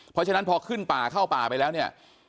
เพราะฉะนั้นพอขึ้นป่าเข้าป่าไปแล้วเนี่ย